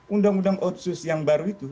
undang undang otsus yang baru itu